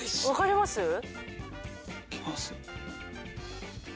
わかります？